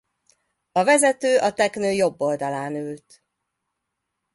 A vezető a teknő jobb oldalán ült.